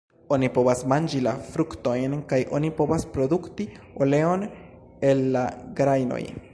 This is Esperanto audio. Oni povas manĝi la fruktojn kaj oni povas produkti oleon el la grajnoj.